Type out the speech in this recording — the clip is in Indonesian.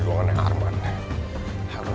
mada pengalin dia tapi tidak waktu married